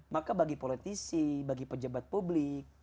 maka bagi politisi bagi pejabat publik